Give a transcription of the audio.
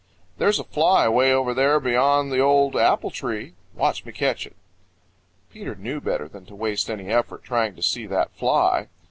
There's a fly 'way over there beyond that old apple tree; watch me catch it." Peter knew better than to waste any effort trying to see that fly.